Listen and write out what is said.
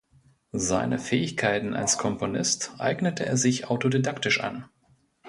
Seine Fähigkeiten als Komponist eignete er sich autodidaktisch an.